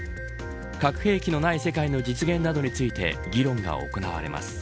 核兵器のない世界の実現などについて議論が行われます。